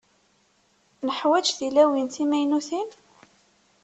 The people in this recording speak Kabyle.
Neḥwaǧ tilawin timaynutin?